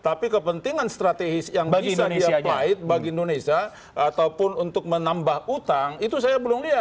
tapi kepentingan strategis yang bisa dia pahit bagi indonesia ataupun untuk menambah utang itu saya belum lihat